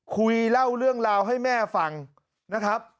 คุยเล่าเรื่องราวให้แม่ฟังนะครับ